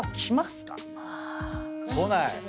来ない。